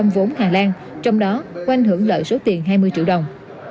một trăm linh vốn hà lan trong đó oanh hưởng lợi số tiền hai mươi triệu đồng